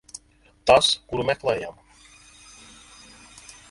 Tas, kuru meklējām.